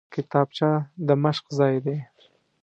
کتابچه د مشق ځای دی